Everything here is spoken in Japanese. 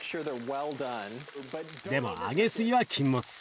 でも揚げすぎは禁物。